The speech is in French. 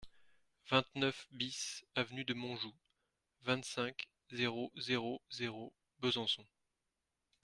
vingt-neuf BIS avenue de Montjoux, vingt-cinq, zéro zéro zéro, Besançon